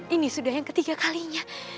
ini sudah yang ketiga kalinya